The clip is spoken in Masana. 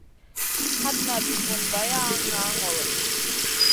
Hatna vi vunna vaya ŋaa ŋolo.